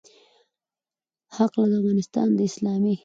هکله، د افغانستان د اسلامي